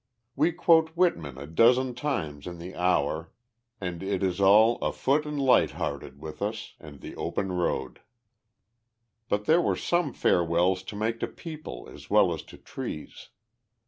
We quote Whitman a dozen times in the hour, and it is all "afoot and light hearted" with us, and "the open road." But there were some farewells to make to people as well as to trees.